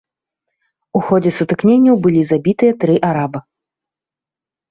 У ходзе сутыкненняў былі забітыя тры араба.